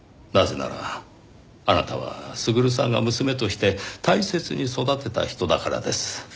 なぜならあなたは優さんが娘として大切に育てた人だからです。